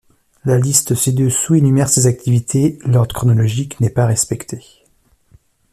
La liste ci-dessous énumère ses activités, l'ordre chronologique n'est pas respecté.